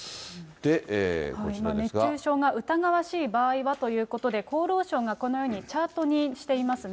熱中症が疑わしい場合はということで、厚労省がこのようにチャートにしていますね。